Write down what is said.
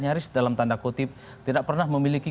nyaris dalam tanda kutip tidak pernah memiliki